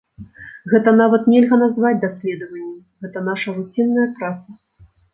Гэта нават нельга назваць даследаваннем, гэта нашая руцінная праца.